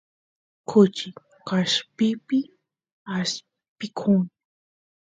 kuchi kaspipi aspiykun